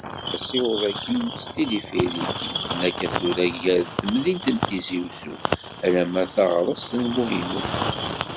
Asiweḍ-agi s tilifirik, yeqqen akka tura gar temdint n Tizi Uzzu alamma taɣrest n Buhinun.